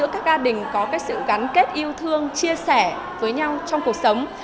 các gia đình có sự gắn kết yêu thương chia sẻ với nhau trong cuộc sống